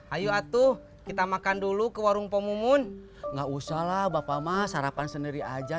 ayo atuh kita makan dulu ke warung pomomun enggak usah lah bapak mas harapan sendiri aja